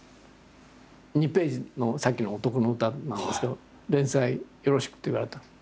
２ページのさっきの「おとこの詩」なんですけど「連載よろしく」って言われたの。